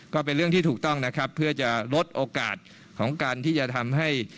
ก็เป็นเรื่องที่ถูกต้องนะครับเพื่อจะลดโอกาสของการที่จะทำให้